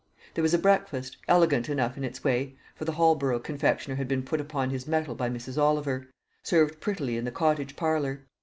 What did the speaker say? There was a breakfast, elegant enough in its way for the Holborough confectioner had been put upon his mettle by Mrs. Oliver served prettily in the cottage parlour.